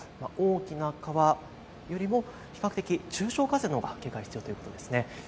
大きな川よりも比較的中小河川のほうが警戒が必要ということですね。